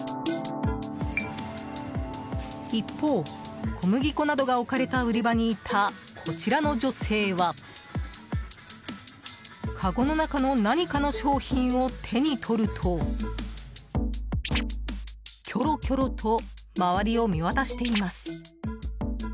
一方、小麦粉などが置かれた売り場にいたこちらの女性はかごの中の何かの商品を手に取るときょろきょろと周りを見渡しています。